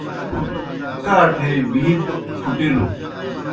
کاٹھے بِیتوْ پُھٹِلوْ۔